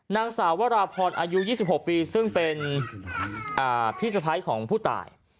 นางสาววราพรอายุ๒๖ปีซึ่งเป็นพี่สะพ้ายของผู้ตาย